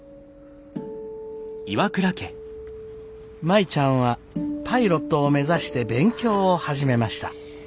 舞ちゃんはパイロットを目指して勉強を始めました。